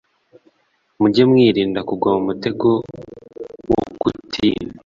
Mujye mwirinda kugwa mu mutego wo kutirinda